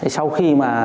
sau khi mà